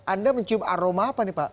anda mencium aroma apa nih pak